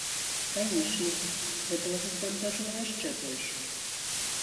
Канечне, гэта яго збянтэжыла яшчэ больш.